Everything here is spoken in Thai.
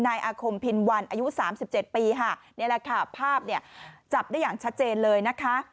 นายอาคมพินวันอายุสามสิบเจ็ดปีค่ะนี่แหละค่ะภาพเนี่ยจับได้อย่างชัดเจนเลยนะคะ